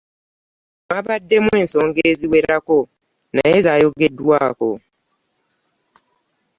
Mwabaddemu ensonga eziwerako naye zaayogeddwaako.